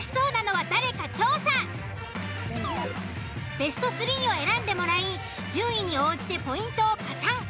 ベスト３を選んでもらい順位に応じてポイントを加算。